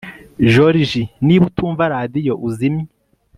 joriji, niba utumva radio, uzimye